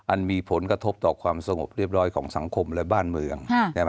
มีผลกระทบต่อความสงบเรียบร้อยของสังคมและบ้านเมือง